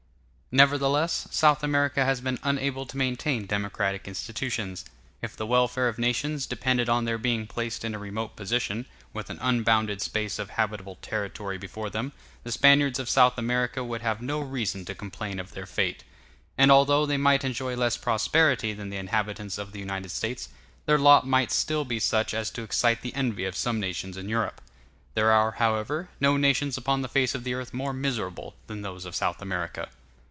Nevertheless, South America has been unable to maintain democratic institutions. If the welfare of nations depended on their being placed in a remote position, with an unbounded space of habitable territory before them, the Spaniards of South America would have no reason to complain of their fate. And although they might enjoy less prosperity than the inhabitants of the United States, their lot might still be such as to excite the envy of some nations in Europe. There are, however, no nations upon the face of the earth more miserable than those of South America.